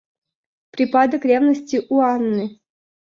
Припадок ревности у Анны.